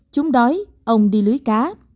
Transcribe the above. chúng đói ông đi lưới cá